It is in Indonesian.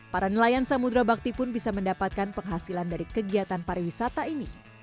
para nelayan samudera bakti pun bisa mendapatkan penghasilan dari kegiatan pariwisata ini